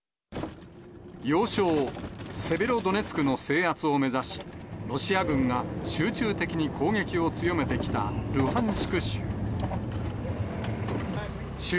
要衝セベロドネツクの制圧を目指し、ロシア軍が集中的に攻撃を強めてきたルハンシク州。